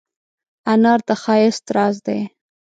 انار د ښایست راز دی.